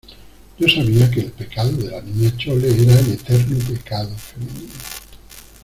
yo sabía que el pecado de la Niña Chole era el eterno pecado femenino